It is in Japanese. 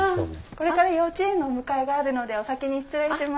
これから幼稚園のお迎えがあるのでお先に失礼します。